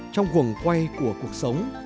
trong quầng quay của cuộc sống